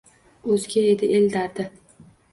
O’zga edi el dardi.